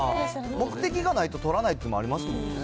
目的がないと取らないっていうのもありますけどね。